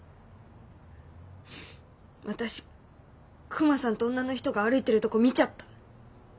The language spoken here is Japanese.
私クマさんと女の人が歩いてるとこ見ちゃった。